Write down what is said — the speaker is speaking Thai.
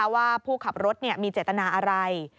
ว่าผู้ขับรถมีเจตนาอะไร